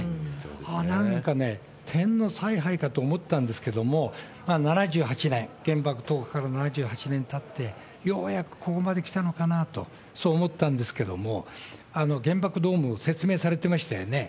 ああ、なんかね、天のさい配かと思ったんですけれども、７８年、原爆投下から７８年たって、ようやくここまで来たのかなと、そう思ったんですけれども、原爆ドームを説明されてましたよね。